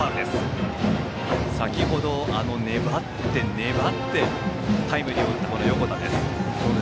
先程、粘って粘ってタイムリーを打った横田です。